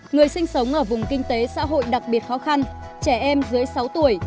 người sinh sống ở vùng kinh tế xã hội đặc biệt khó khăn trẻ em dưới sáu tuổi